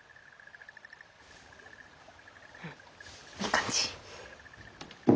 うんいい感じ。